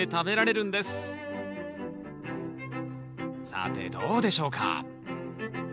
さてどうでしょうか？